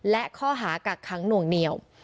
และข้อหากักขังหน่วงเหนียว